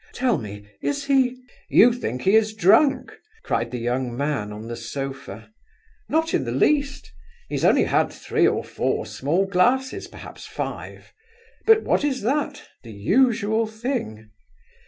Tell me, is he..." "You think he is drunk?" cried the young man on the sofa. "Not in the least. He's only had three or four small glasses, perhaps five; but what is that? The usual thing!"